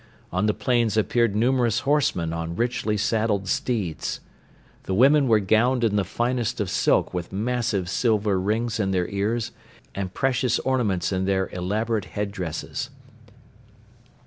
On the plains appeared numerous horsemen on richly saddled steeds. The women were gowned in the finest of silk with massive silver rings in their ears and precious ornaments in their elaborate head dresses.